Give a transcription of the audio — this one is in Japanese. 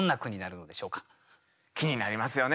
気になりますよね。